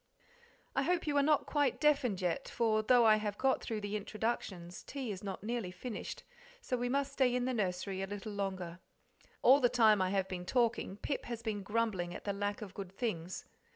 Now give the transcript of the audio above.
I hope you are not quite deafened yet, for though I have got through the introductions, tea is not nearly finished, so we must stay in the nursery a little longer: All the time I have been talking Pip has been grumbling at the lack of good things.